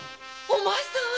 お前さんは！？